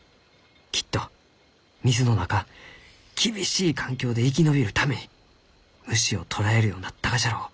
きっと水の中厳しい環境で生き延びるために虫を捕らえるようになったがじゃろう。